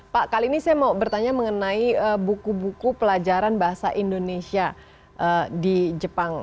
pak kali ini saya mau bertanya mengenai buku buku pelajaran bahasa indonesia di jepang